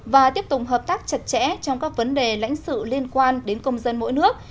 và tiếp tục hợp tác chặt chẽ trong các vấn đề lãnh sự liên quan đến công dân mỗi nước